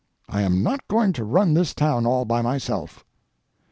I am not going to run this town all by myself."